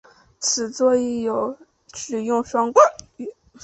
此作亦有使用双关语。